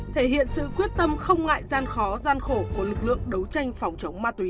thể hiện sự quyết tâm không ngại gian khó gian khổ của lực lượng đấu tranh phòng chống ma túy